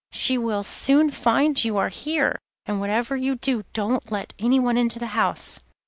She will soon find out you are here, and whatever you do don't let anyone into the house.